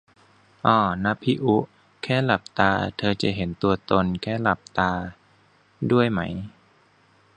อ้อ นับพี่อุ๊ แค่หลับตา เธอจะเห็นตัวตน แค่หลับตา ด้วยไหม